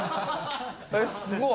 えっすごい！